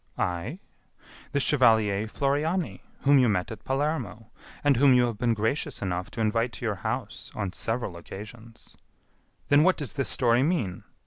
"I? The chevalier Floriani, whom you met at Palermo, and whom you have been gracious enough to invite to your house on several occasions." "Then what does this story mean?"